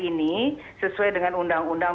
ini sesuai dengan undang undang